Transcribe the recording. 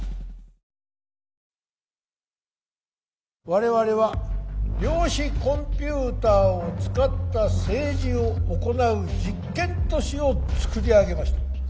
我々は量子コンピューターを使った政治を行う実験都市を造り上げました。